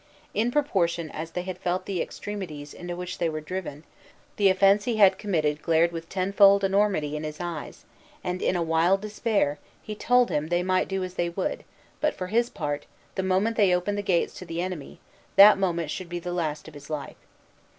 In proportion as they felt the extremities into which they were driven, the offense he had committed glared with tenfold enormity in his eyes; and, in a wild despair, he told them "they might do as they would, but for his part, the moment they opened the gates to the enemy, that moment should be the last of his life.